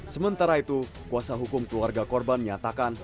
sementara itu kuasa hukum keluarga korban menyatakan